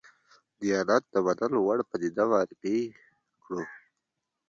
دیانت د منلو وړ پدیده معرفي کړو.